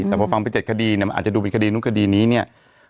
แต่พอฟังไป๗คดีอาจจะดูเป็นคดีน้องคดีนี้